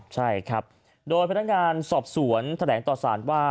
ใช่ครับโดยพนักงานสอบสวนแถลงต่อสารว่า